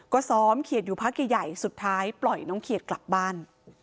ก็ซ้อมเขียดอยู่พักใหญ่สุดท้ายปล่อยน้องเขียดกลับบ้าน